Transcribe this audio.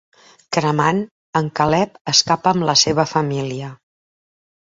Cremant, en Caleb escapa amb la seva família.